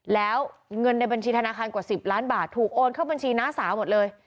แล้วเงินในบัญชีธนาคารกว่า๑๐ล้านบาทถูกโอนเข้าบัญชีน้าสาวหมดเลย